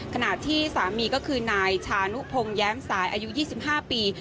ขณะที่สามีก็คือนายชานุพงศ์แย้มสายอายุ๒๕ปี